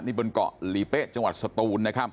นี่บนเกาะหลีเป๊ะจังหวัดสตูนนะครับ